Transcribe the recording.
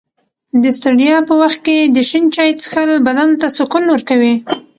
د ستړیا په وخت کې د شین چای څښل بدن ته سکون ورکوي.